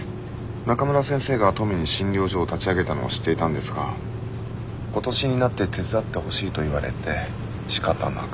中村先生が登米に診療所を立ち上げたのは知っていたんですが今年になって手伝ってほしいと言われてしかたなく。